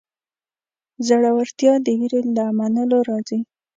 زړورتیا د وېرې له منلو راځي.